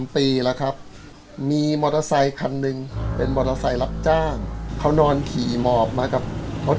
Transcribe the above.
ปีแล้วครับมีมอเตอร์ไซคันหนึ่งเป็นมอเตอร์ไซค์รับจ้างเขานอนขี่หมอบมากับรถ